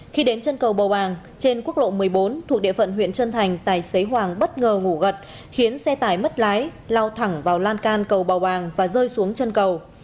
khi đến chân cầu bầu bàng trên quốc lộ một mươi bốn thuộc địa phận huyện trân thành tài xế hoàng bất ngờ ngủ gật khiến xe tải mất lái lao thẳng vào lan can cầu bào bàng và rơi xuống chân cầu